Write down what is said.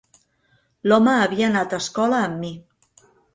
L'home havia anat a escola amb mi.